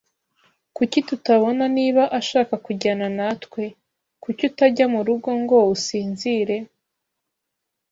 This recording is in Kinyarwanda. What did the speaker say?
Kuki tutabona niba ashaka kujyana natwe? Kuki utajya murugo ngo usinzire?